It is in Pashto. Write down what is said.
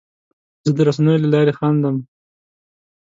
زه د رسنیو له لارې خندم.